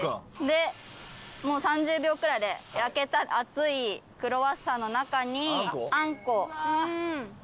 でもう３０秒くらいで焼けた熱いクロワッサンの中にあんこあんこを。